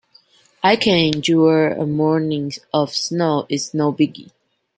I can endure a morning of snow, it's no biggie.